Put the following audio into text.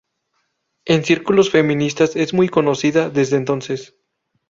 En círculos feministas es muy conocida desde entonces.